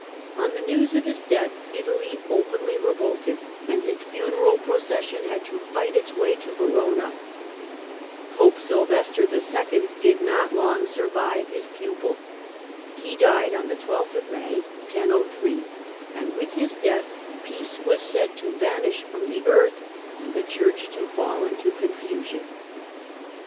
On the news of his death Italy openly revolted, and his funeral procession had to fight its way t/O Verona, Pope Sylvester II, did not "long survive lus THE SAXON EMPERORS 23 pupil; he died on 12th May 1003, and with his death peace was said to vanish from the earth and the Church to fall into confusion.